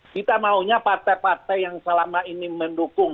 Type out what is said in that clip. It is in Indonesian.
kita maunya partai partai yang selama ini mendukung